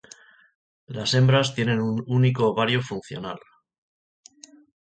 Las hembras tienen un único ovario funcional.